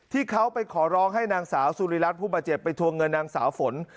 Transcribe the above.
ที่เขาไปขอร้องให้นางสาวสุริรัตน์ผู้บาดเจ็บไปทวงเงินนางสาวฝน